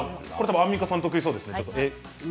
アンミカさん得意そうですね。